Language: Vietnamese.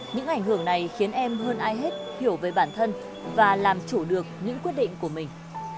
những ảnh hưởng này khiến em hơn ai hết hiểu về bản thân và làm chủ được những quyết định của mình